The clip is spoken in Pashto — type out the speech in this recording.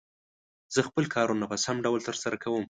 زه خپل کارونه په سم ډول تر سره کووم.